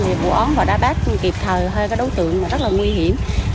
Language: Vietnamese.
vì vụ ón vào đa bắc kịp thời hơi các đối tượng rất là nguy hiểm